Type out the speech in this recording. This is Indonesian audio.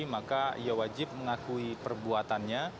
maka ia wajib mengakui perbuatannya